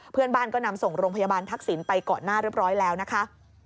เพื่อนบ้านก็นำส่งโรงพยาบาลทักษิณไปก่อนหน้าเรียบร้อยแล้วนะคะ